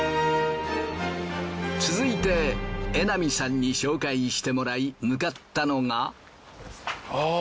続いて榎並さんに紹介してもらい向かったのが。